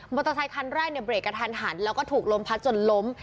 เตอร์ไซคันแรกเนี่ยเบรกกระทันหันแล้วก็ถูกลมพัดจนล้ม